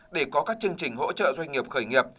để có các chương trình hỗ trợ doanh nghiệp khởi nghiệp